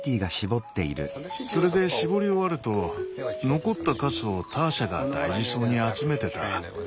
それで搾り終わると残ったかすをターシャが大事そうに集めてた。